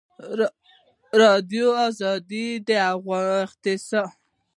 ازادي راډیو د اقتصاد په اړه د کارګرانو تجربې بیان کړي.